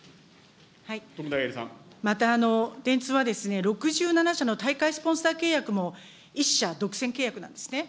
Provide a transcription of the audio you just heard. また、電通は６７社の大会スポンサー契約も、１社独占契約なんですね。